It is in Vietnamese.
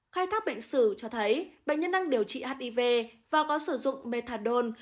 khai thác bệnh sử cho thấy bệnh nhân đang điều trị hiv và có sử dụng methadone